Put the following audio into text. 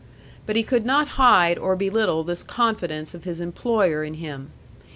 But he could not hide or belittle this confidence of his employer in him.